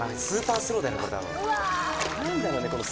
スーパースローだよね